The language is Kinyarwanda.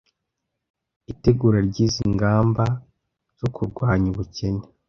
itegura ry'izi ngamba zo kurwanya ubukene.